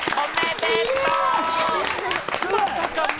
おめでとう！